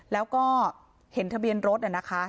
แล้วก็เห็นทะเบียนรถนะคะ